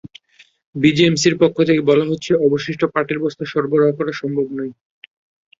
বিজেএমসির পক্ষ থেকে বলা হচ্ছে, অবশিষ্ট পাটের বস্তা সরবরাহ করা সম্ভব নয়।